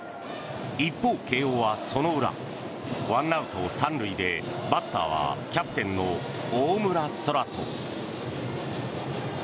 一方、慶応はその裏１アウト３塁でバッターはキャプテンの大村昊澄。